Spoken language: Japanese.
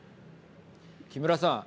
木村さん。